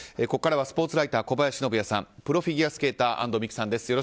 ここからはスポーツライター小林信也さんプロフィギュアスケーター安藤美姫さんです。